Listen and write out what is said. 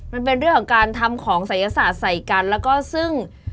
มันเป็นเรื่องของการทำของศัยศาสตร์ใส่กันแล้วก็ซึ่ง